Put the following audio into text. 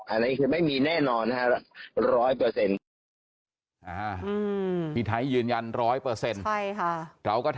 อันนี้คือไม่มีแน่นอนนะฮะร้อยเปอร์เซ็นต์